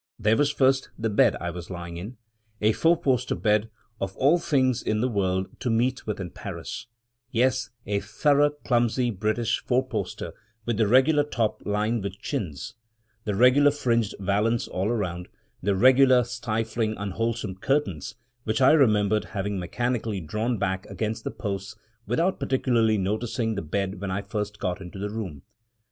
There was, first, the bed I was lying in; a four post bed, of all things in the world to meet with in Paris — yes, a thorough clumsy British four poster, with the regular top lined with chintz — the regular fringed valance all round — the regular stifling, unwholesome curtains, which I remembered having mechanically drawn back against the posts without particularly noticing the bed when I first got into the room.